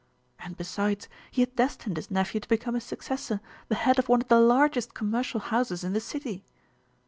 And, besides, he had destined his nephew to become his successor, the head of one of the largest commercial houses in the city."